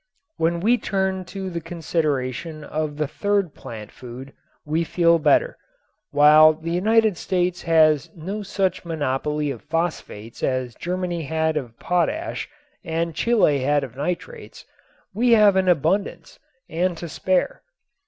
When we turn to the consideration of the third plant food we feel better. While the United States has no such monopoly of phosphates as Germany had of potash and Chile had of nitrates we have an abundance and to spare.